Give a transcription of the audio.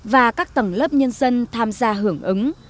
và các tầng lớp nhân dân tham gia hưởng ứng